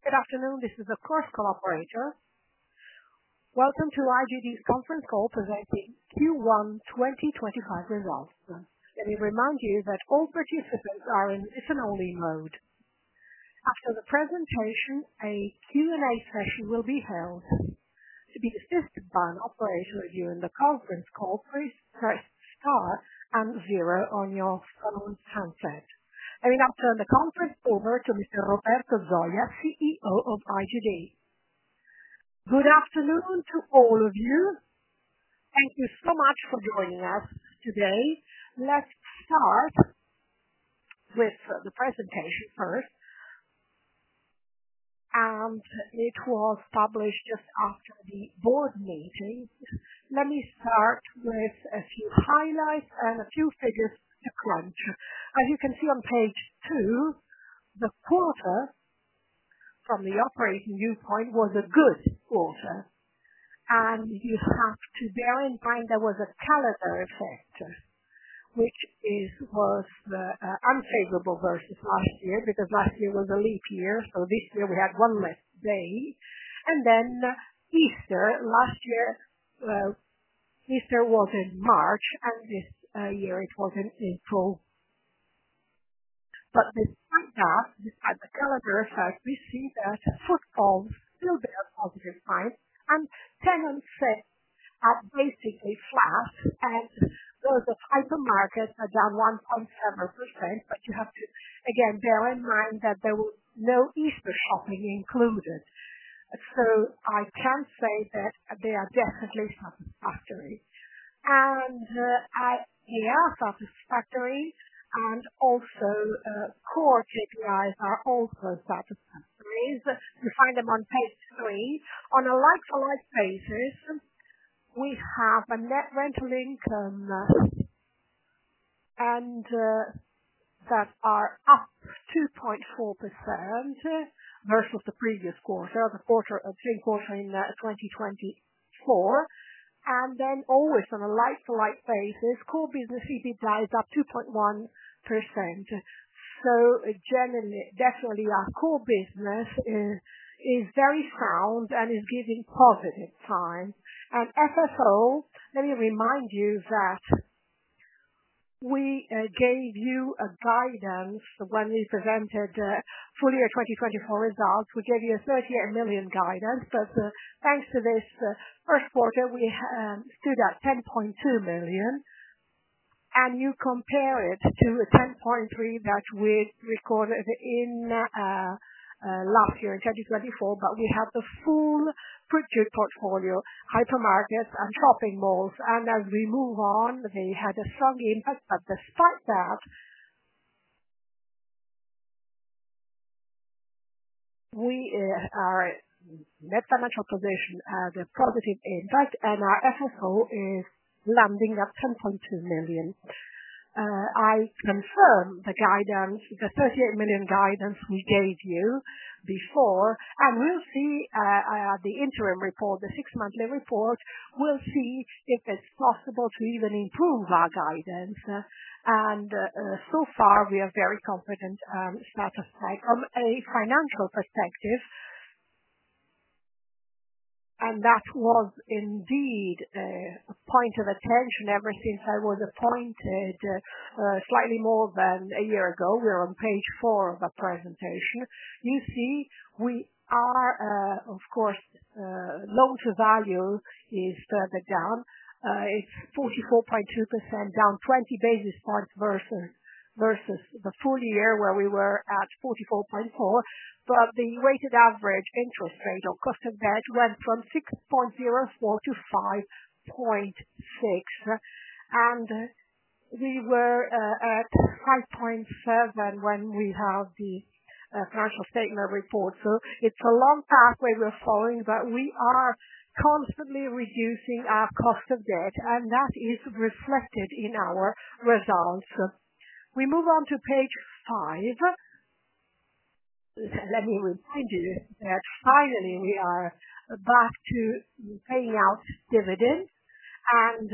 Good afternoon, this is the Conference operator. Welcome to IGD's Conference Call presenting Q1 2025 results. Let me remind you that all participants are in listen-only mode. After the presentation, a Q&A session will be held. To be assisted by an operator during the conference call, please press star and zero on your phone handset. I will now turn the conference over to Mr. Roberto Zoia, CEO of IGD. Good afternoon to all of you. Thank you so much for joining us today. Let's start with the presentation first. It was published just after the board meeting. Let me start with a few highlights and a few figures to crunch. As you can see on page two, the quarter from the operating viewpoint was a good quarter. You have to bear in mind there was a calendar effect, which was unfavorable versus last year because last year was a leap year. This year we had one less day. Last year, Easter was in March, and this year it was in April. Despite that, despite the calendar effect, we see that footfall is still there for the time. Tenants are basically flat, and those at hypermarkets are down 1.7%. You have to, again, bear in mind that there was no Easter shopping included. I can say that they are definitely satisfactory. They are satisfactory, and also core KPIs are also satisfactory. You find them on page three. On a like-for-like basis, we have net rental income that is up 2.4% versus the previous quarter, the same quarter in 2024. On a like-for-like basis, core business EBITDA is up 2.1%. Generally, definitely our core business is very sound and is giving positive signs. FFO, let me remind you that we gave you a guidance when we presented full year 2024 results. We gave you a 38 million guidance, but thanks to this first quarter, we stood at 10.2 million. You compare it to a 10.3 million that we recorded last year in 2024, but we have the food portfolio, hypermarkets, and shopping malls. As we move on, they had a strong impact. Despite that, our net financial position has a positive impact, and our FFO is landing at 10.2 million. I confirm the guidance, the 38 million guidance we gave you before. We will see the interim report, the six-monthly report. We will see if it is possible to even improve our guidance. We are very confident and satisfied from a financial perspective. That was indeed a point of attention ever since I was appointed slightly more than a year ago. We are on page four of the presentation. You see, of course, loan-to-value is further down. It is 44.2%, down 20 basis points versus the full year where we were at 44.4%. The weighted average interest rate or cost of debt went from 6.04% to 5.6%. We were at 5.7% when we had the financial statement report. It is a long pathway we are following, but we are constantly reducing our cost of debt, and that is reflected in our results. We move on to page five. Let me remind you that finally we are back to paying out dividends, and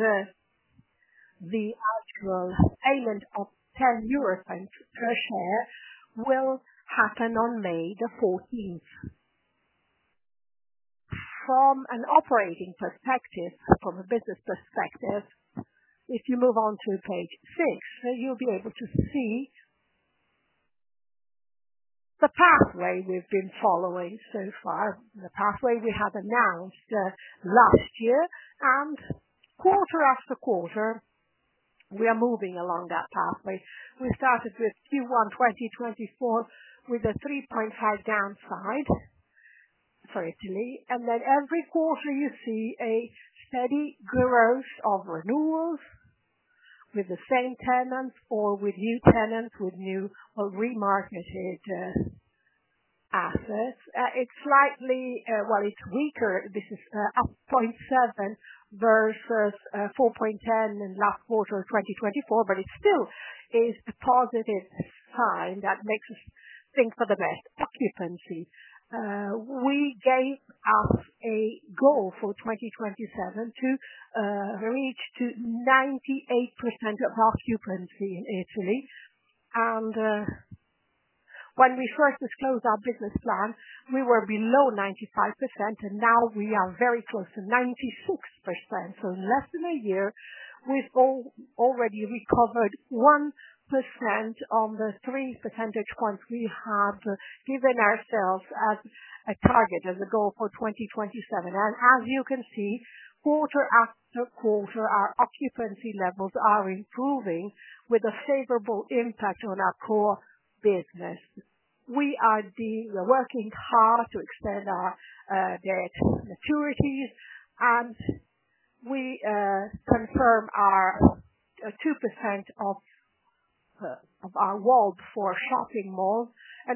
the actual payment of 0.10 euros per share will happen on May the 14th. From an operating perspective, from a business perspective, if you move on to page six, you'll be able to see the pathway we've been following so far, the pathway we have announced last year. Quarter after quarter, we are moving along that pathway. We started with Q1 2024 with a 3.5% downside for Italy. Every quarter, you see a steady growth of renewals with the same tenants or with new tenants, with new or remarketed assets. It's slightly, well, it's weaker. This is up 0.7% versus 4.10% in last quarter of 2024, but it still is a positive sign that makes us think for the best. Occupancy. We gave us a goal for 2027 to reach 98% of occupancy in Italy. When we first disclosed our business plan, we were below 95%, and now we are very close to 96%. In less than a year, we've already recovered 1% on the 3 percentage points we had given ourselves as a target, as a goal for 2027. As you can see, quarter after quarter, our occupancy levels are improving with a favorable impact on our core business. We are working hard to extend our debt maturities, and we confirm our 2% WAULT before shopping malls.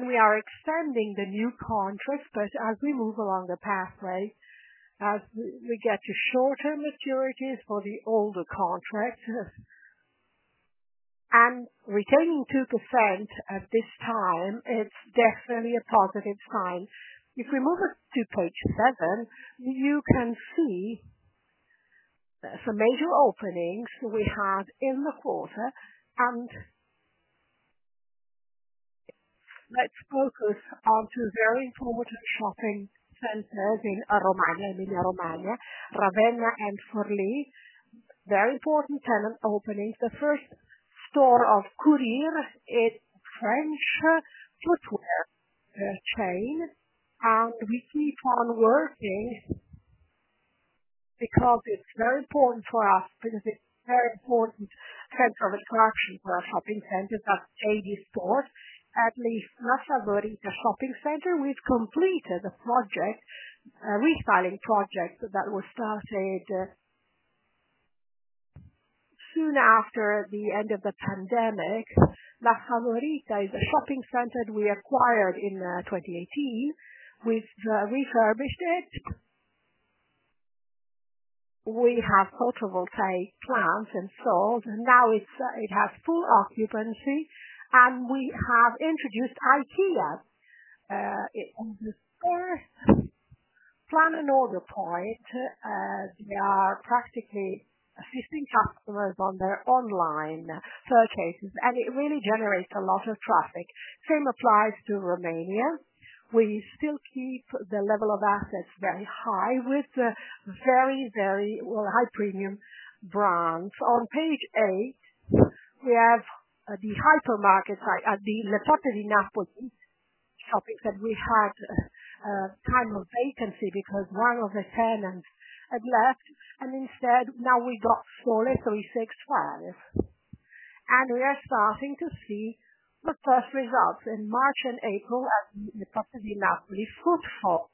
We are extending the new contracts, but as we move along the pathway, as we get to shorter maturities for the older contracts, and retaining 2% at this time, it's definitely a positive sign. If we move to page seven, you can see some major openings we had in the quarter. Let's focus on two very informative shopping centers in Emilia-Romagna, Ravenna and Forlì. Very important tenant openings. The first store of Courir is a French footwear chain. We keep on working because it's very important for us, because it's a very important center of attraction for our shopping centers, that's Esselunga Sport at least La Favorita shopping center. We've completed a project, a restyling project that was started soon after the end of the pandemic. La Favorita is a shopping center we acquired in 2018. We've refurbished it. We have photovoltaic plants installed. Now it has full occupancy. We have introduced IKEA in the click and collect point They are practically assisting customers on their online purchases, and it really generates a lot of traffic. The same applies to Romania. We still keep the level of assets very high with very, very high premium brands. On page eight, we have the hypermarkets, the Le Porte di Napoli shopping center. We had a time of vacancy because one of the tenants had left, and instead now we got Sole 365. We are starting to see the first results in March and April at Le Porte di Napoli footfall,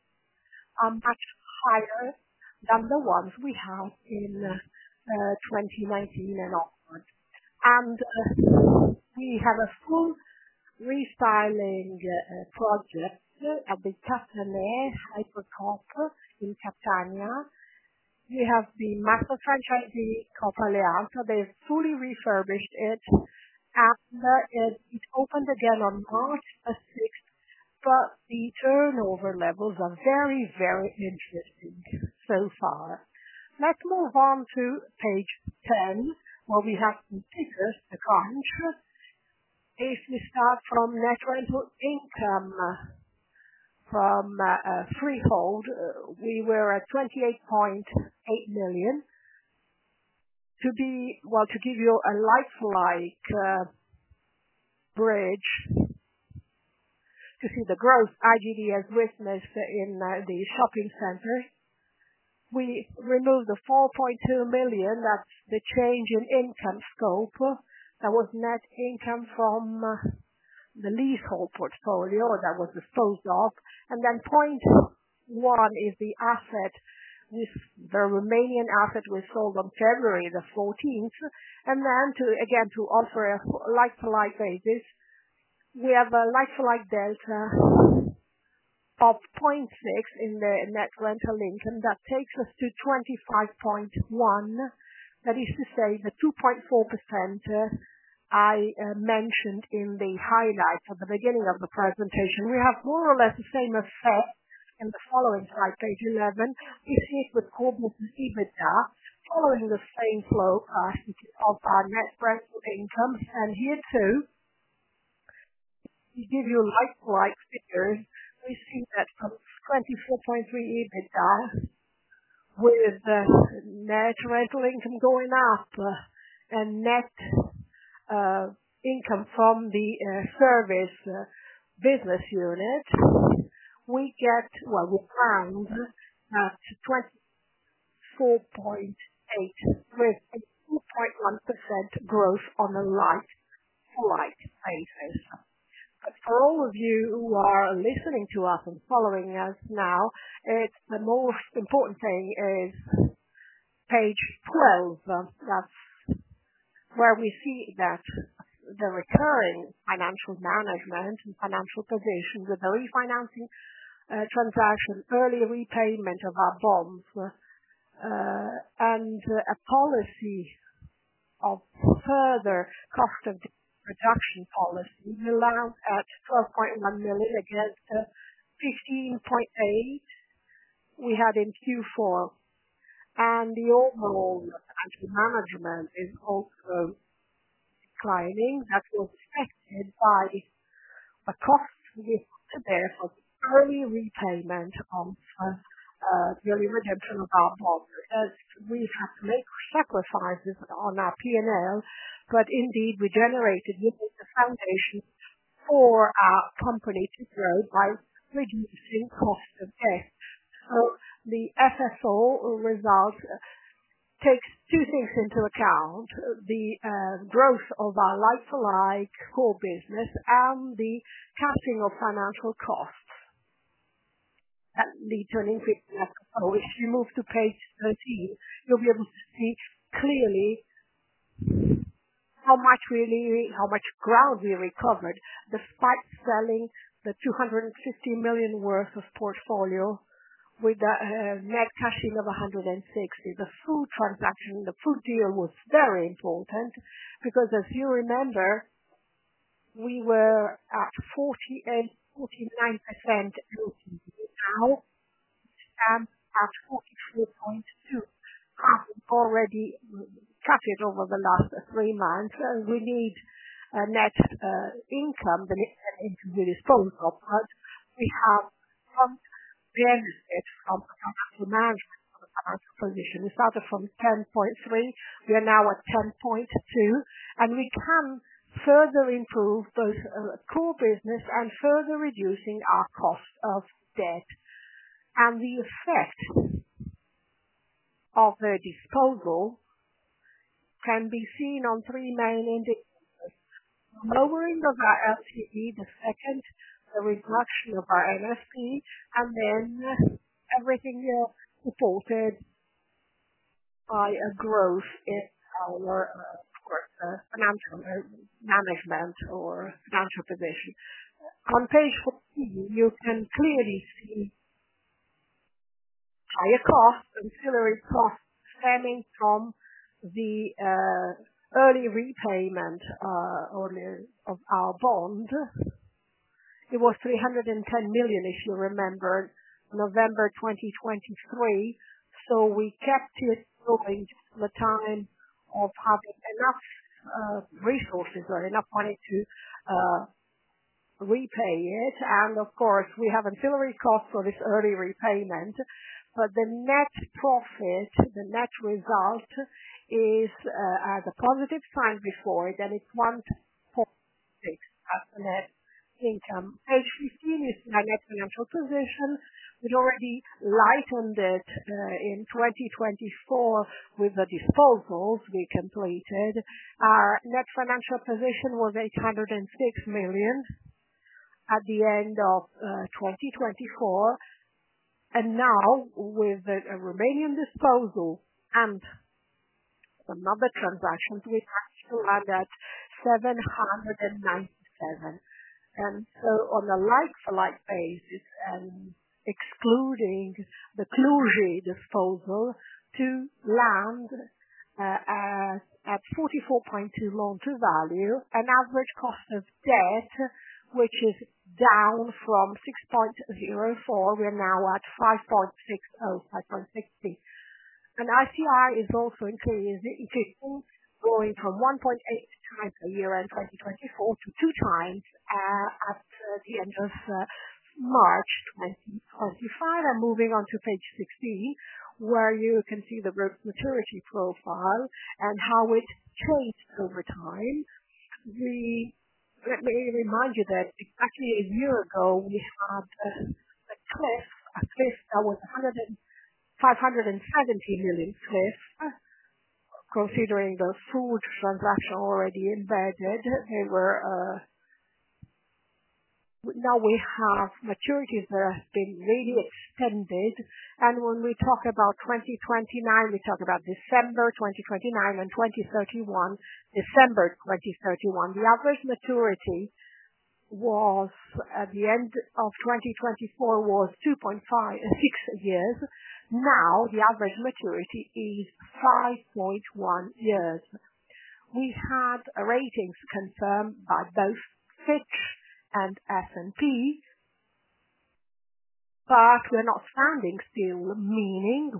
much higher than the ones we had in 2019 and onward. We have a full restyling project at the Catania hypermarket in Catania. We have the master franchisee Coop Alleanza 3.0 They have fully refurbished it, and it opened again on March 6th, but the turnover levels are very, very interesting so far. Let's move on to page 10, where we have some figures, the crunch. If we start from net rental income from freehold, we were at 28.8 million. To give you a like-for-like bridge to see the growth IGD has witnessed in the shopping center, we removed the 4.2 million. That's the change in income scope. That was net income from the leasehold portfolio that was disposed of. Point one is the asset, the Romanian asset we sold on February 14. Again, to offer a like-for-like basis, we have a like-for-like delta of 0.6 in the net rental income. That takes us to 25.1. That is to say the 2.4% I mentioned in the highlights at the beginning of the presentation. We have more or less the same effect in the following slide, page 11. We see it with core business EBITDA following the same flow of our net rental income. Here too, we give you like-for-like figures. We see that from 24.3 EBITDA with net rental income going up and net income from the service business unit, we get, we found that EUR 24.8 with a 2.1% growth on a like-for-like basis. For all of you who are listening to us and following us now, the most important thing is page 12. That is where we see that the recurring financial management and financial position with the refinancing transaction, early repayment of our bonds, and a policy of further cost of production policy will land at 12.1 million against 15.8 million we had in Q4. The overall financial management is also declining. That was affected by a cost we had there for early repayment of the early redemption of our bonds. We have had to make sacrifices on our P&L, but indeed we generated the foundation for our company to grow by reducing cost of debt. The FFO result takes two things into account: the growth of our like-for-like core business and the capping of financial costs that lead to an increase in Net profit. If you move to page 13, you'll be able to see clearly how much ground we recovered despite selling the 250 million worth of portfolio with a net cashing of 160 million. The full transaction, the full deal was very important because, as you remember, we were at 48% to 49%. Now we stand at 44.2%, having already cut it over the last three months. We need net income, the Net income we disposed of, but we have some benefit from financial management for the financial position. We started from 10.3. We are now at 10.2. We can further improve both core business and further reducing our cost of debt. The effect of the disposal can be seen on three main indicators: lowering of our LTV, the second, the reduction of our NFP, and then everything supported by a growth in our, of course, financial management or financial position. On page 14, you can clearly see higher costs, ancillary costs stemming from the early repayment of our bond. It was 310 million, if you remember, November 2023. We kept it going the time of having enough resources or enough money to repay it. Of course, we have ancillary costs for this early repayment. The net profit, the net result, is a positive sign before it, and it's 1.6 million as the net income. Page 15 is my net financial position. We'd already lightened it in 2024 with the disposals we completed. Our net financial position was 806 million at the end of 2024. Now, with the Romania disposal and some other transactions, we've actually landed at 797 million. On a like-for-like basis, excluding the Cluj disposal, to land at 44.2% loan-to-value, an average cost of debt, which is down from 6.04. We're now at 5.60, 5.60. ICR is also increasing, going from 1.8 times a year in 2024 to 2 times at the end of March 2025. Moving on to page 16, where you can see the growth maturity profile and how it changed over time. Let me remind you that exactly a year ago, we had a cliff, a cliff that was 570 million cliff, considering the food transaction already embedded. Now we have maturities that have been really extended. When we talk about 2029, we talk about December 2029 and December 2031. The average maturity at the end of 2024 was 2.6 years. Now the average maturity is 5.1 years. We had ratings confirmed by both Fitch and S&P, but we're not standing still, meaning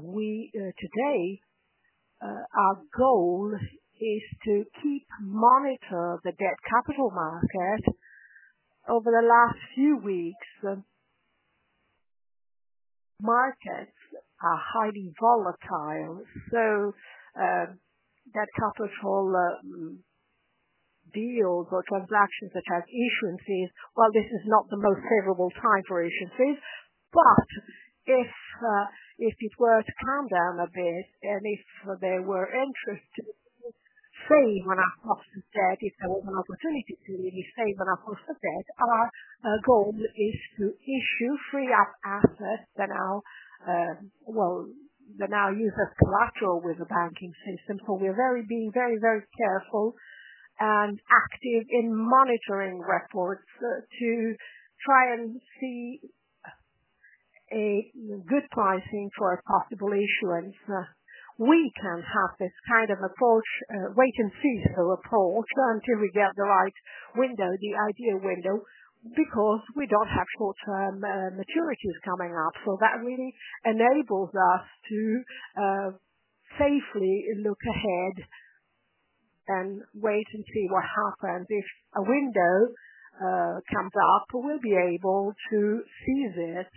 today our goal is to keep monitoring the debt capital market. Over the last few weeks, markets are highly volatile. Debt capital deals or transactions that have issuances, this is not the most favorable time for issuances. If it were to calm down a bit and if there were interest to save on our cost of debt, if there was an opportunity to really save on our cost of debt, our goal is to issue, free up assets that now use as collateral with the banking system. We are being very, very careful and active in monitoring records to try and see a good pricing for a possible issuance. We can have this kind of approach, wait and see still approach until we get the right window, the ideal window, because we do not have short-term maturities coming up. That really enables us to safely look ahead and wait and see what happens. If a window comes up, we'll be able to seize it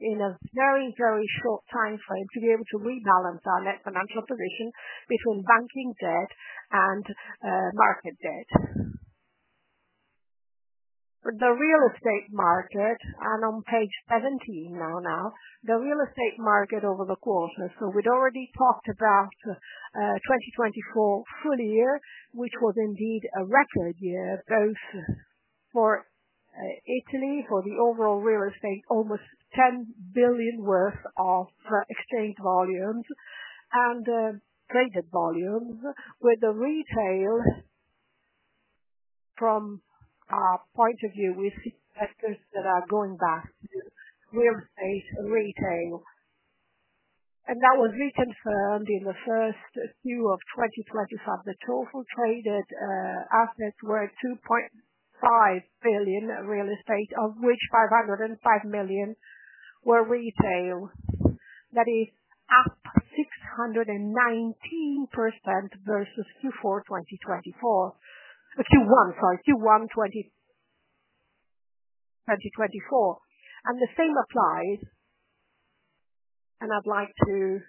in a very, very short time frame to be able to rebalance our net financial position between banking debt and market debt. The real estate market, and on page 17 now, the real estate market over the quarter. We'd already talked about 2024 full year, which was indeed a record year, both for Italy, for the overall real estate, almost 10 billion worth of exchange volumes and traded volumes, with the retail, from our point of view, we see sectors that are going back to real estate retail. That was reconfirmed in the first Q of 2025. The total traded assets were 2.5 billion real estate, of which 505 million were retail. That is up 619% versus Q4 2024, Q1, sorry, Q1 2024. The same applies. I'd like to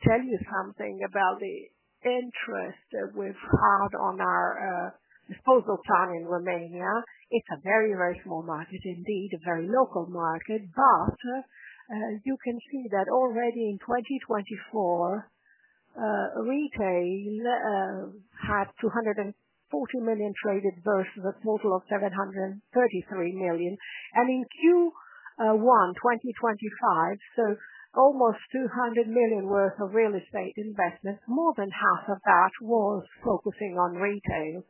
tell you something about the interest we've had on our disposal plan in Romania. It's a very, very small market, indeed, a very local market. You can see that already in 2024, retail had 240 million traded versus a total of 733 million. In Q1 2025, almost 200 million worth of real estate investments, more than half of that was focusing on retail,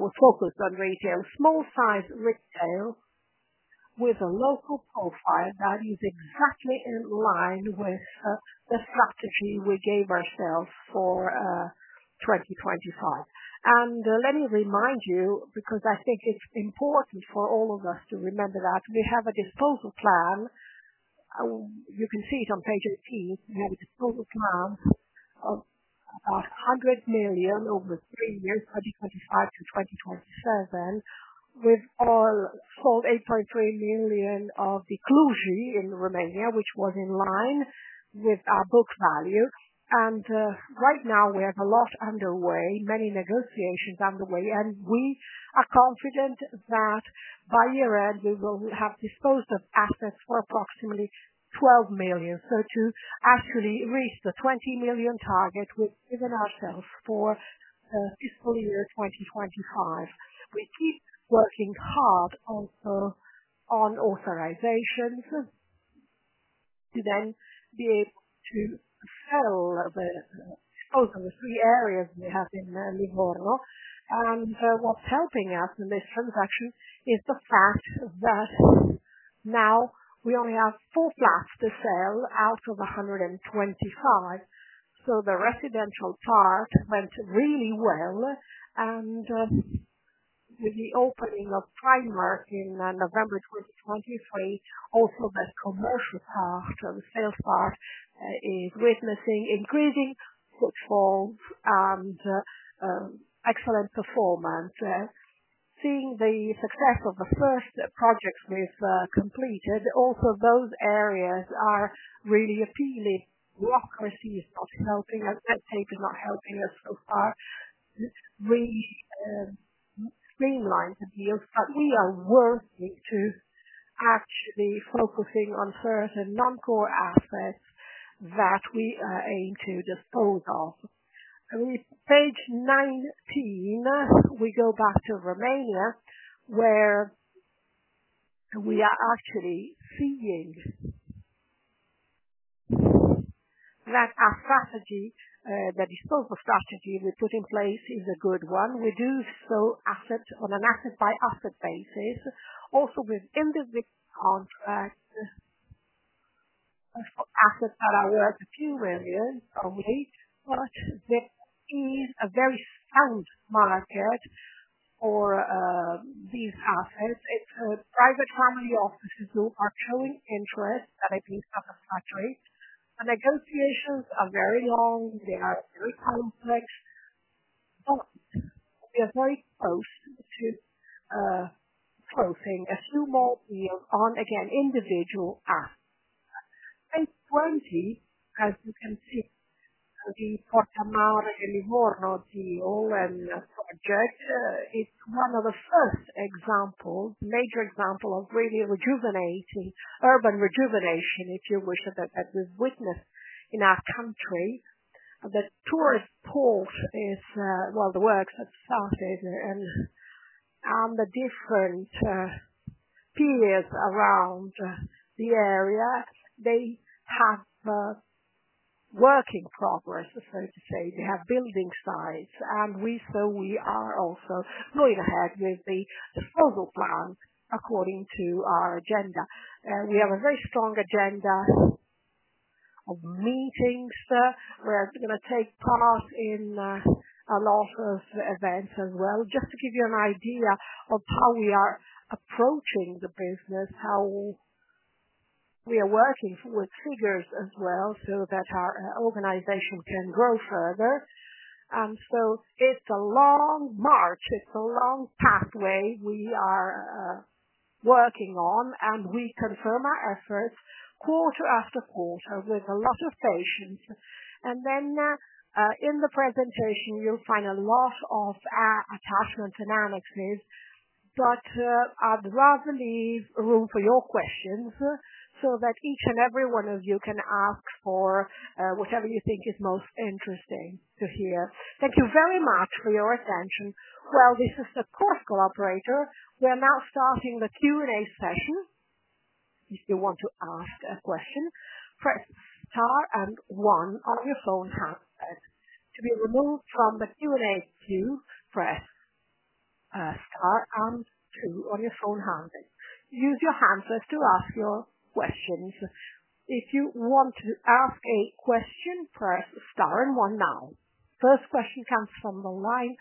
was focused on retail, small-sized retail with a local profile that is exactly in line with the strategy we gave ourselves for 2025. Let me remind you, because I think it's important for all of us to remember that we have a disposal plan. You can see it on page 18. We have a disposal plan of about 100 million over three years, 2025 to 2027, with all sold 8.3 million of the Cluj in Romania, which was in line with our book value. Right now, we have a lot underway, many negotiations underway. We are confident that by year-end, we will have disposed of assets for approximately 12 million, to actually reach the 20 million target we have given ourselves for fiscal year 2025. We keep working hard also on authorizations to then be able to sell the disposal of the three areas we have in Livorno. What is helping us in this transaction is the fact that now we only have four flats to sell out of 125. The residential part went really well. With the opening of Primark in November 2023, also the commercial part, the sales part, is witnessing increasing footfalls and excellent performance. Seeing the success of the first projects we have completed, also those areas are really appealing. Bureaucracy is not helping us. Red tape is not helping us so far. We streamlined the deals, but we are working to actually focus on certain non-core assets that we aim to dispose of. Page 19, we go back to Romania, where we are actually seeing that our strategy, the disposal strategy we put in place, is a good one. We do sell assets on an asset-by-asset basis. Also, with individual contracts for assets that are worth a few million only, but there is a very sound market for these assets. It is private family offices who are showing interest at a decent satisfactory rate. The negotiations are very long. They are very complex. We are very close to closing a few more deals on, again, individual assets. Page 20, as you can see, the Porta a Mare di Livorno deal and project, it's one of the first examples, major example of really rejuvenating, urban rejuvenation, if you wish, that we've witnessed in our country. The tourist port is, the works have started, and the different piers around the area, they have work in progress, so to say. They have building sites. We are also going ahead with the disposal plan according to our agenda. We have a very strong agenda of meetings. We are going to take part in a lot of events as well. Just to give you an idea of how we are approaching the business, how we are working with figures as well so that our organization can grow further. It is a long march. It is a long pathway we are working on. We confirm our efforts quarter after quarter with a lot of patience. In the presentation, you will find a lot of attachments and annexes. I would rather leave room for your questions so that each and every one of you can ask for whatever you think is most interesting to hear. Thank you very much for your attention. This is the Conference operator. We are now starting the Q&A session. If you want to ask a question, press star and one on your phone handset. To be removed from the Q&A queue, press star and two on your phone handset. Use your handsets to ask your questions. If you want to ask a question, press star and one now. First question comes from the line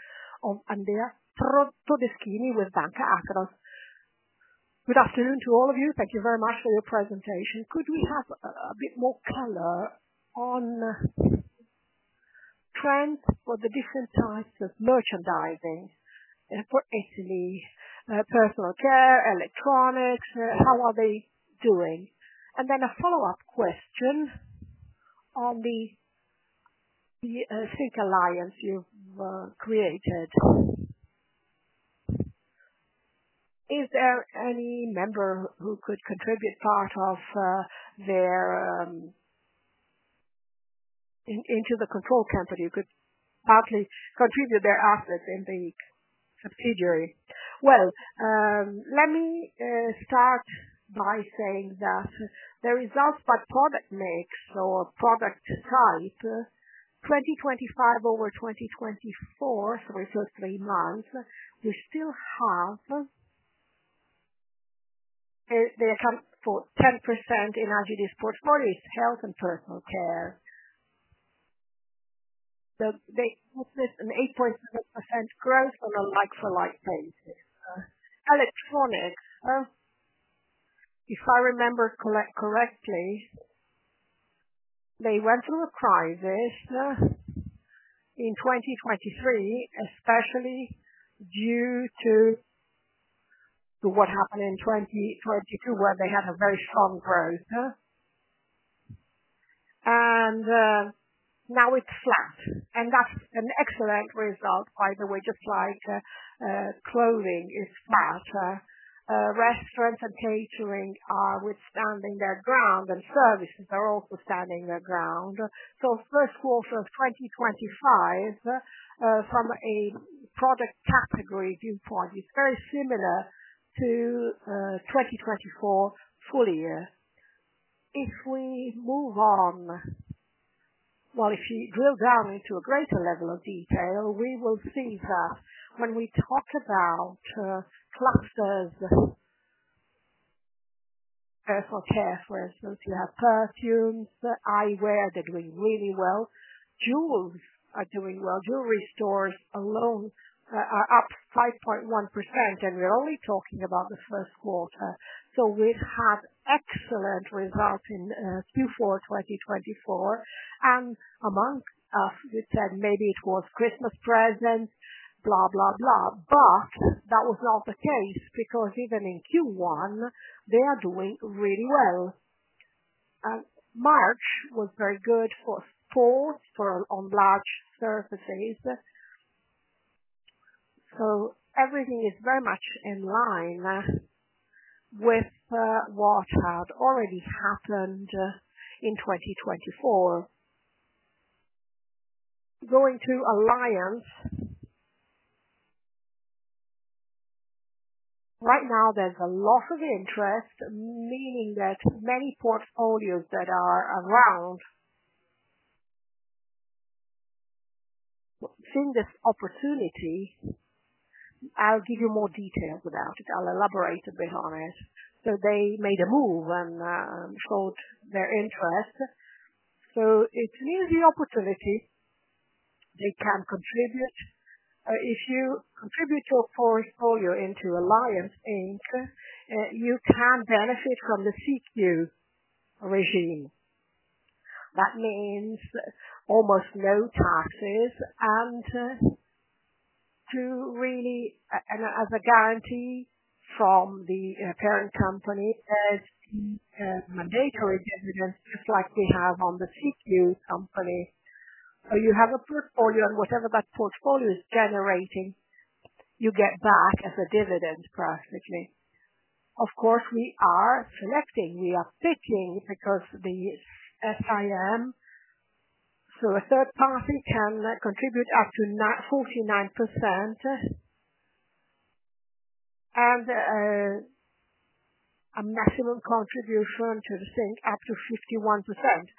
of Andrea Trotto Deschini with Banca Akros. Good afternoon to all of you. Thank you very much for your presentation. Could we have a bit more color on trends for the different types of merchandising for Italy, personal care, electronics? How are they doing? A follow-up question on the SIIQ Alliance you have created. Is there any member who could contribute part of their assets into the control company, who could partly contribute their assets in the subsidiary? Let me start by saying that the results by product mix or product type, 2025 over 2024, so we have three months, they account for 10% in IGD's portfolios, health and personal care. They witnessed an 8.7% growth on a like-for-like basis. Electronics, if I remember correctly, they went through a crisis in 2023, especially due to what happened in 2022, where they had a very strong growth. Now it is flat. That's an excellent result, by the way, just like clothing is flat. Restaurants and catering are withstanding their ground, and services are also standing their ground. First quarter of 2025, from a product category viewpoint, is very similar to 2024 full year. If you drill down into a greater level of detail, we will see that when we talk about clusters, personal care, for instance, you have perfumes, eyewear that are doing really well. Jewels are doing well. Jewelry stores alone are up 5.1%, and we're only talking about the first quarter. We've had excellent results in Q4 2024. Amongst us, we said maybe it was Christmas presents, blah, blah, blah. That was not the case because even in Q1, they are doing really well. March was very good for sports, for on large surfaces. Everything is very much in line with what had already happened in 2024. Going to Alliance, right now there's a lot of interest, meaning that many portfolios that are around are seeing this opportunity. I'll give you more details about it. I'll elaborate a bit on it. They made a move and showed their interest. It's an easy opportunity. They can contribute. If you contribute your portfolio into Alliance, you can benefit from the SIIQ regime. That means almost no taxes. To really, as a guarantee from the parent company, there are mandatory dividends, just like we have on the SIIQ company. You have a portfolio, and whatever that portfolio is generating, you get back as a dividend, practically. Of course, we are selecting. We are picking because the SIM, so a third party can contribute up to 49% and a maximum contribution to the SIIQ up to 51%.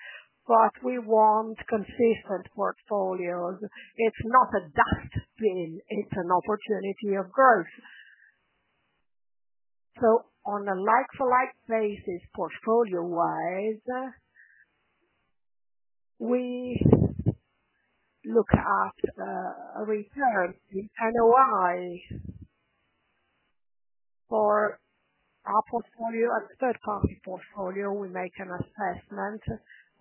We want consistent portfolios. It's not a dust bin; it's an opportunity of growth. On a like-for-like basis, portfolio-wise, we look at returns, the NOI for our portfolio and third-party portfolio. We make an assessment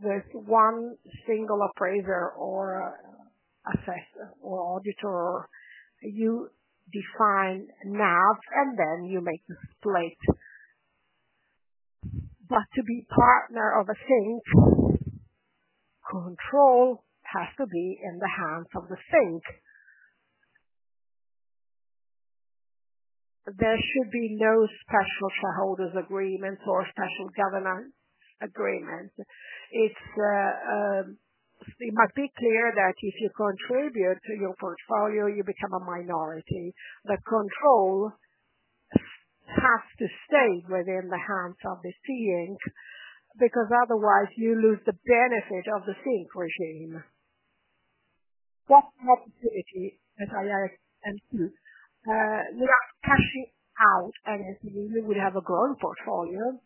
with one single appraiser or assessor or auditor. You define NAV, and then you make the split. To be partner of a SIIQ, control has to be in the hands of the SIIQ. There should be no special shareholders' agreements or special governance agreements. It must be clear that if you contribute to your portfolio, you become a minority. The control has to stay within the hands of the SIIQ because otherwise you lose the benefit of the SIIQ regime. That's an opportunity, SIIQ. Without cashing out anything, we would have a growing portfolio.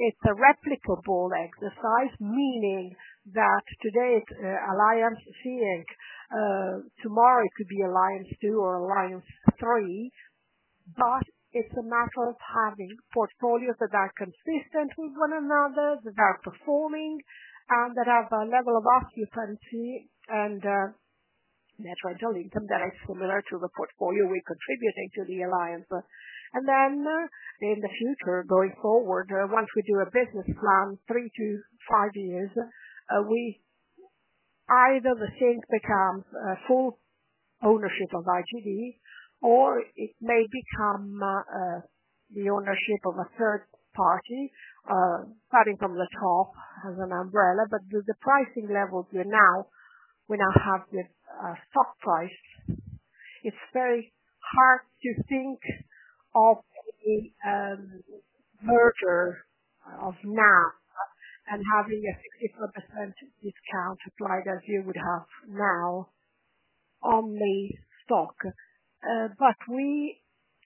It's a replicable exercise, meaning that today it's Alliance SIIQ. Tomorrow it could be Alliance 2 or Alliance 3. It's a matter of having portfolios that are consistent with one another, that are performing, and that have a level of occupancy, and natural income that is similar to the portfolio we're contributing to the Alliance. In the future, going forward, once we do a business plan, three to five years, either the SIIQ becomes full ownership of IGD, or it may become the ownership of a third party, starting from the top as an umbrella. The pricing level we now have with stock price, it's very hard to think of the merger of NAV and having a 64% discount applied as you would have now on the stock. We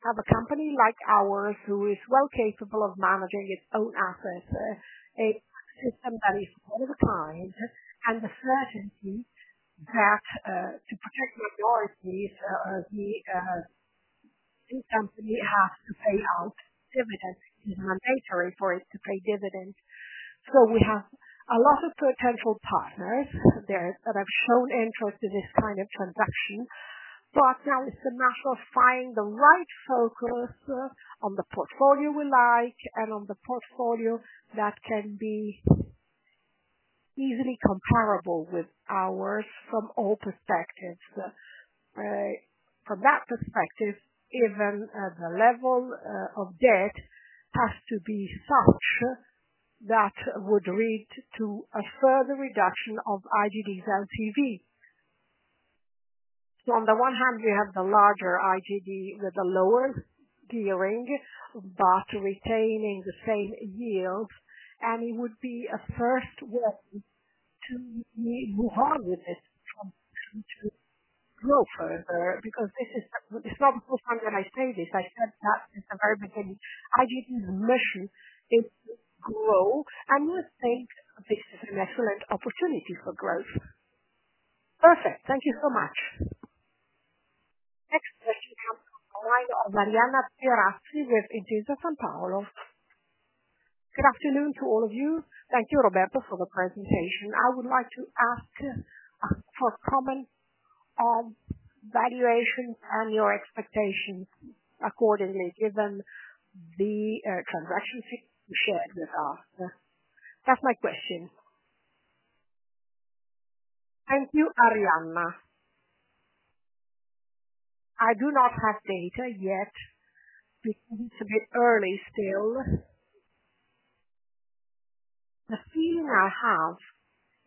have a company like ours who is well capable of managing its own assets, a system that is one of a kind. The certainty that to protect minorities, the SIIQ company has to pay out dividends. It is mandatory for it to pay dividends. We have a lot of potential partners that have shown interest in this kind of transaction. Now it is a matter of finding the right focus on the portfolio we like and on the portfolio that can be easily comparable with ours from all perspectives. From that perspective, even the level of debt has to be such that would lead to a further reduction of IGD's LTV. On the one hand, we have the larger IGD with the lower gearing, but retaining the same yields. It would be a first way to move on with this transition to grow further because this is not the first time that I say this. I said that at the very beginning. IGD's mission is to grow. We think this is an excellent opportunity for growth. Perfect. Thank you so much. Next question comes from Arianna Terazzi with Intesa Sanpaolo. Good afternoon to all of you. Thank you, Roberto, for the presentation. I would like to ask for comment on valuation and your expectations accordingly, given the transaction figures you shared with us. That is my question. Thank you, Arianna. I do not have data yet. It is a bit early still. The feeling I have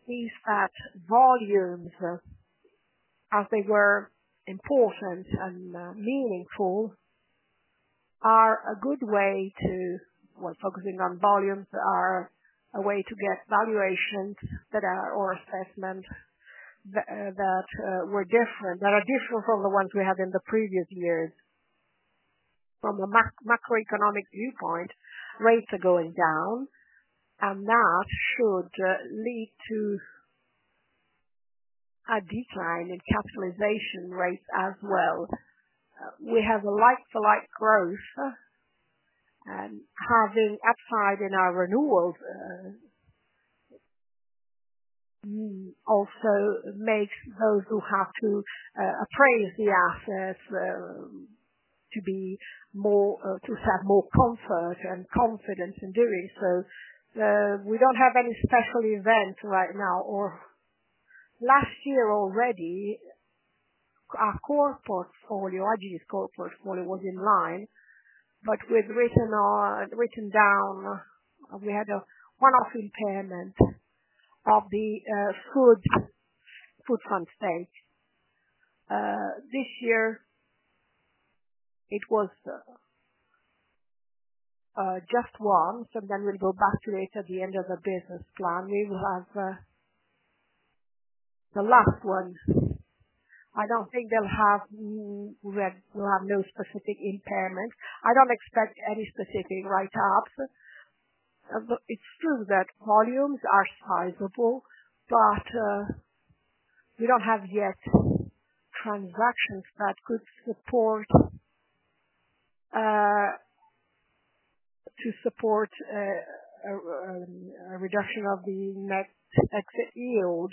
is that volumes, as they were important and meaningful, are a good way to, well, focusing on volumes are a way to get valuations that are or assessments that were different, that are different from the ones we had in the previous years. From a macroeconomic viewpoint, rates are going down, and that should lead to a decline in capitalization rates as well. We have a like-for-like growth, and having upside in our renewals also makes those who have to appraise the assets to have more comfort and confidence in doing so. We do not have any special events right now. Last year already, our core portfolio, IGD's core portfolio, was in line. We had written down, we had a one-off impairment of the food fund stake. This year, it was just once, and then we'll go back to it at the end of the business plan. We will have the last one. I don't think they'll have no specific impairment. I don't expect any specific write-ups. It's true that volumes are sizable, but we don't have yet transactions that could support a reduction of the net exit yield.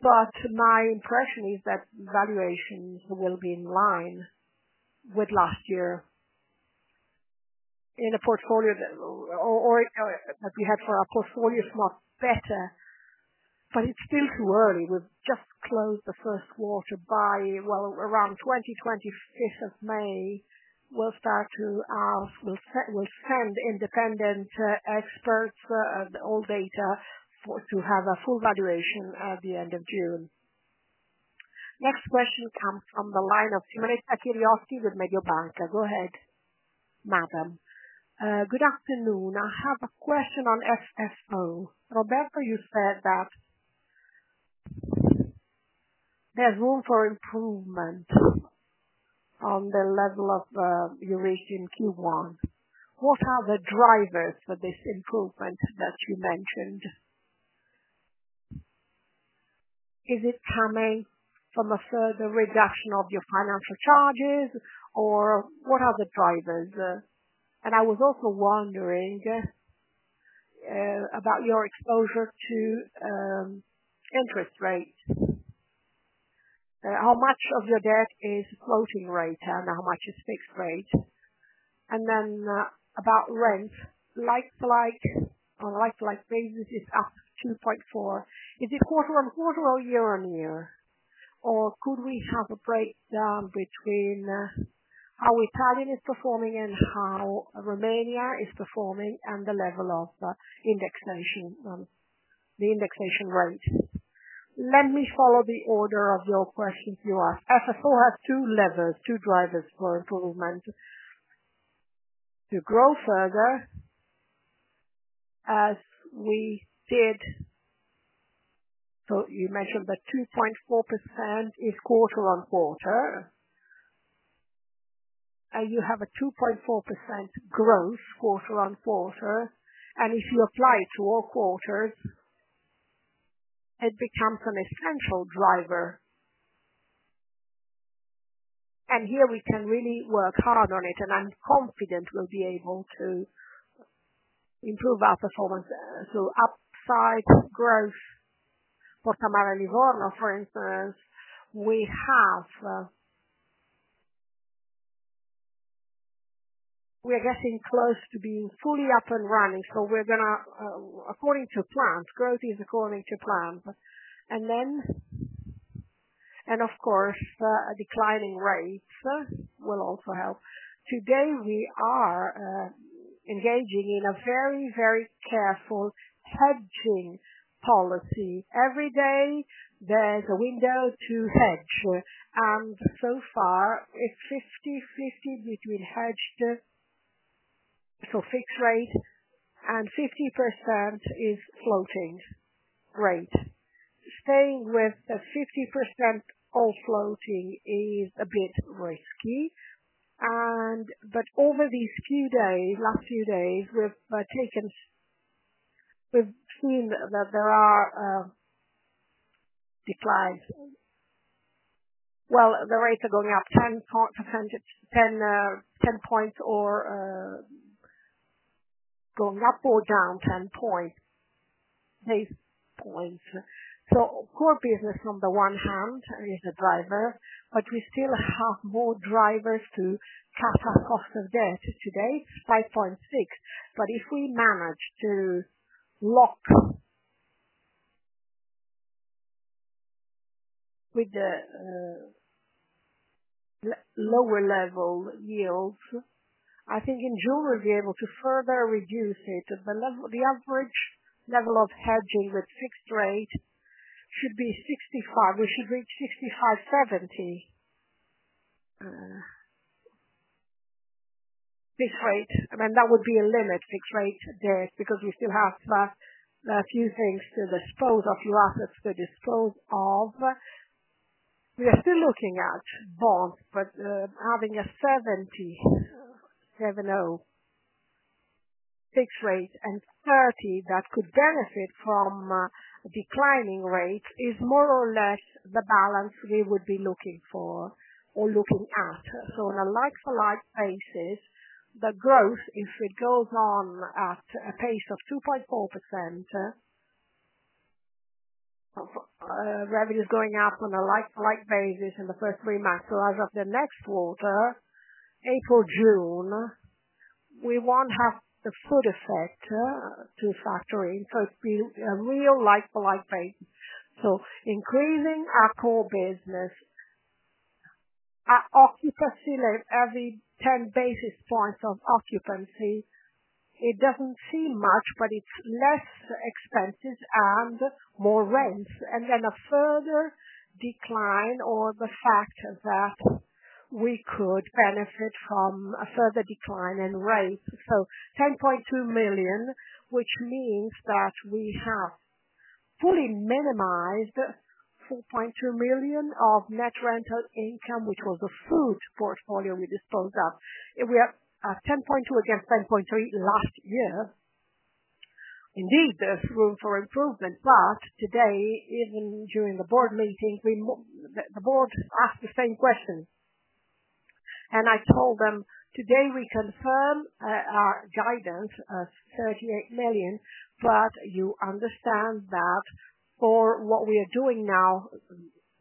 My impression is that valuations will be in line with last year. In a portfolio that we had for our portfolio is much better, but it's still too early. We've just closed the first quarter by, around 2025 May. We'll start to ask, we'll send independent experts, all data, to have a full valuation at the end of June. Next question comes from the line of Simonetta Chiriotti with Mediobanca. Go ahead, madam. Good afternoon. I have a question on FFO. Roberto, you said that there's room for improvement on the level you raised in Q1. What are the drivers for this improvement that you mentioned? Is it coming from a further reduction of your financial charges, or what are the drivers? I was also wondering about your exposure to interest rates. How much of your debt is floating rate and how much is fixed rate? About rent, like-for-like on a like-for-like basis is up 2.4%. Is it quarter on quarter or year on year? Could we have a breakdown between how Italy is performing and how Romania is performing and the level of indexation, the indexation rate? Let me follow the order of your questions you asked. FFO has two levers, two drivers for improvement. To grow further, as we did. You mentioned that 2.4% is quarter on quarter. You have a 2.4% growth quarter on quarter. If you apply it to all quarters, it becomes an essential driver. Here we can really work hard on it, and I'm confident we'll be able to improve our performance. Upside growth for Porta a Mare di Livorno for instance, we have. We are getting close to being fully up and running, so we're going to, according to plan, growth is according to plan. Of course, declining rates will also help. Today we are engaging in a very, very careful hedging policy. Every day there's a window to hedge, and so far it's 50/50 between hedged, so fixed rate, and 50% is floating rate. Staying with 50% all floating is a bit risky. Over these few days, last few days, we've taken, we've seen that there are declines. The rates are going up 10 points or going up or down 10 points. These points. Core business, on the one hand, is a driver, but we still have more drivers to cut our cost of debt today. 5.6. If we manage to lock with the lower level yields, I think in June we will be able to further reduce it. The average level of hedging with fixed rate should be 65. We should reach 65-70 fixed rate. That would be a limit fixed rate debt because we still have a few things to dispose of, few assets to dispose of. We are still looking at bonds, but having a 70-70 fixed rate and 30 that could benefit from declining rates is more or less the balance we would be looking for or looking at. On a like-for-like basis, the growth, if it goes on at a pace of 2.4%, revenues going up on a like-for-like basis in the first three months. As of the next quarter, April to June, we will not have the foot effect to factor in. It will be a real like-for-like basis. Increasing our core business, our occupancy level, every 10 basis points of occupancy, it does not seem much, but it is less expenses and more rents. A further decline or the fact that we could benefit from a further decline in rates. 10.2 million, which means that we have fully minimized 4.2 million of net rental income, which was the food portfolio we disposed of. We are at 10.2 million against 10.3 million last year. Indeed, there is room for improvement, but today, even during the board meeting, the board asked the same question. I told them, "Today we confirm our guidance of 38 million, but you understand that for what we are doing now,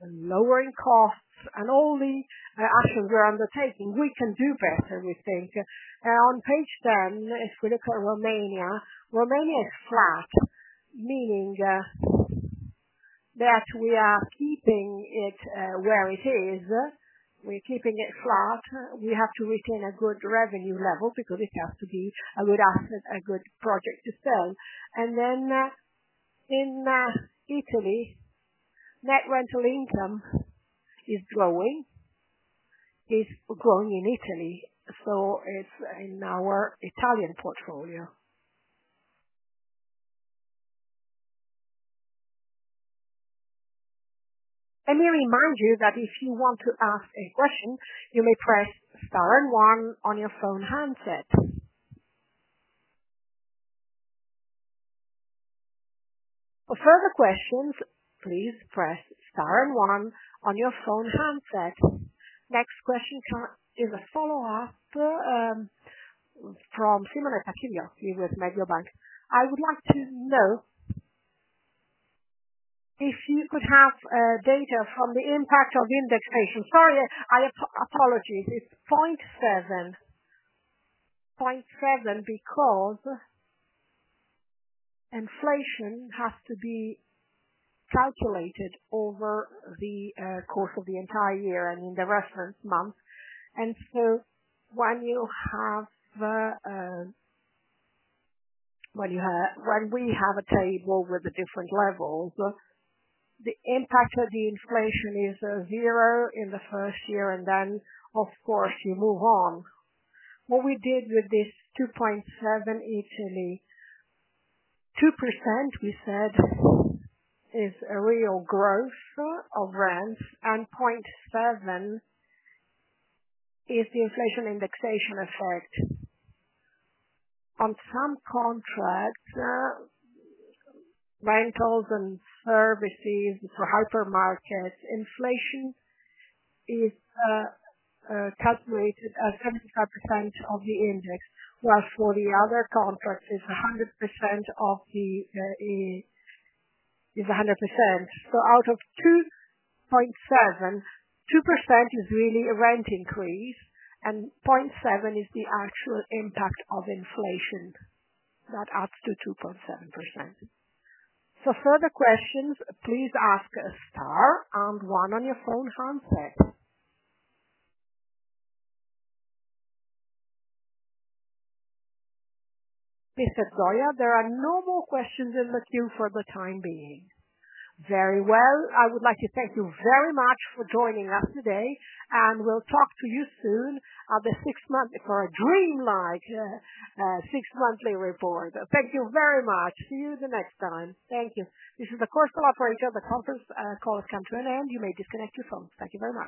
lowering costs and all the actions we're undertaking, we can do better, we think." On page 10, if we look at Romania, Romania is flat, meaning that we are keeping it where it is. We're keeping it flat. We have to retain a good revenue level because it has to be a good asset, a good project to sell. In Italy, net rental income is growing. It's growing in Italy, so it's in our Italian portfolio. Let me remind you that if you want to ask a question, you may press star and one on your phone handset. For further questions, please press star and one on your phone handset. Next question is a follow-up from Simonetta Chiriotti with Mediobanca. I would like to know if you could have data from the impact of indexation. Sorry, I apologize. It's 0.7, 0.7 because inflation has to be calculated over the course of the entire year and in the reference month. When you have, when we have a table with the different levels, the impact of the inflation is zero in the first year, and then, of course, you move on. What we did with this 2.7 Italy, 2% we said is a real growth of rents, and 0.7 is the inflation indexation effect. On some contracts, rentals and services for hypermarkets, inflation is calculated as 75% of the index, while for the other contracts, it's 100%. Out of 2.7, 2% is really a rent increase, and 0.7 is the actual impact of inflation. That adds to 2.7%. For further questions, please ask a star and one on your phone handset. Mr. Zoia, there are no more questions in the queue for the time being. Very well. I would like to thank you very much for joining us today, and we'll talk to you soon at the six-monthly for a dreamlike six-monthly report. Thank you very much. See you the next time. Thank you. This is the Conference operator of the conference call is coming to an end. You may disconnect your phones. Thank you very much.